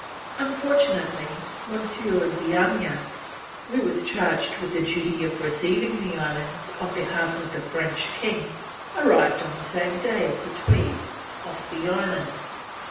Unfortunately, M. d'Anjac, who was charged with the duty of receiving the islands on behalf of the French king, arrived on the same day as the Tweed, off the islands.